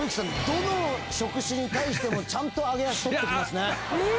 どの職種に対してもちゃんと揚げ足取ってきますね。